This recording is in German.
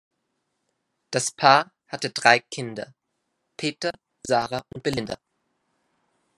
Das Paar hatte drei Kinder: Peter, Sarah und Belinda.